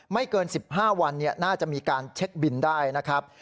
เกิน๑๕วันน่าจะมีการเช็คบินได้นะครับ